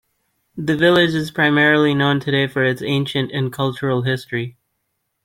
The village is primarily known today for its ancient and cultural history.